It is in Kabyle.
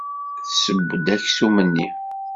Tesseww-d aksum-nni.